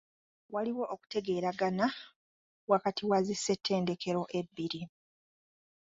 Waliwo okutegeeragana wakati wa zi ssetendekero ebbiri.